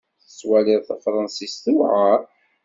Tettwalid tafṛensist tewɛeṛ?